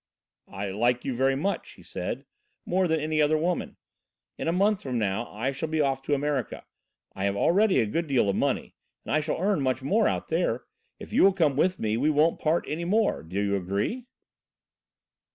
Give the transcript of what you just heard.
"I like you very much," he said, "more than any other woman. In a month from now I shall be off to America. I have already a good deal of money and I shall earn much more out there. If you will come with me, we won't part any more. Do you agree?"